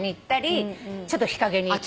ちょっと日陰にいたり。